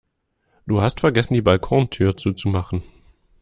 Du hast vergessen die Balkontür zuzumachen